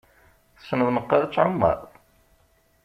Tessneḍ meqqar ad tεummeḍ?